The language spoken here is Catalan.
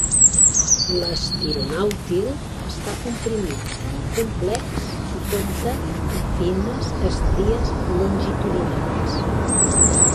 L'estironàutil està comprimit, complex i compta amb fines estries longitudinals.